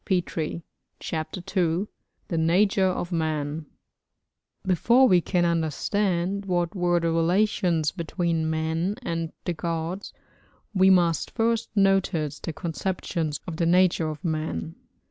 CHAPTER II THE NATURE OF MAN Before we can understand what were the relations between man and the gods we must first notice the conceptions of the nature of man.